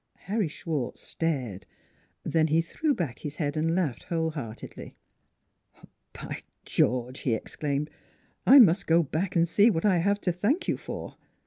Harry Schwartz stared. Then he threw back his head and laughed whole heartedly. " By George !" he exclaimed. " I must go back and see what I have to thank you for.